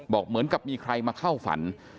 บอกเหมือนกับมีใครมาเข้าฝัน